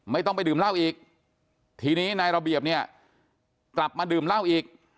ไม่ต้องไปดื่มเหล้าอีกทีนี้นายระเบียบเนี่ยกลับมาดื่มเหล้าอีก